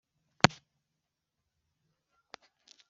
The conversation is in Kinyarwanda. Baza mu nama z inteko Rusange bafite ibibazo